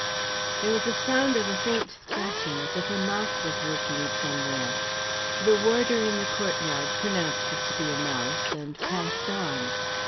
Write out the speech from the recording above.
There was the sound of a faint scratching as if a mouse was working somewhere. The warder in the courtyard pronounced it to be a mouse and passed on.